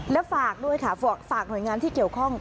และฝากด้วยค่ะฝากหน่วยงานที่เกี่ยวข้อง